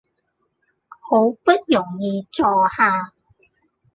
好不容易坐下